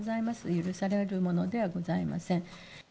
許されるものではございません。